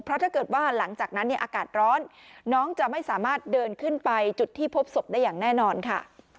เพราะถ้าเกิดว่าหลังจากนั้นเนี่ยอากาศร้อนน้องจะไม่สามารถเดินขึ้นไปจุดที่พบศพได้อย่างแน่นอนค่ะ